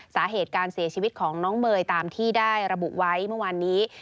สาเหตุการเสียชีวิตของน้องเมย์ตามที่ได้ระบุไว้เมื่อวานนี้